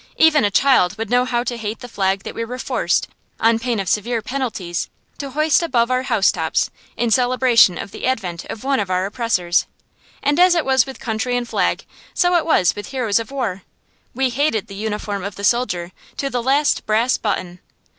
Even a child would know how to hate the flag that we were forced, on pain of severe penalties, to hoist above our housetops, in celebration of the advent of one of our oppressors. And as it was with country and flag, so it was with heroes of war. We hated the uniform of the soldier, to the last brass button.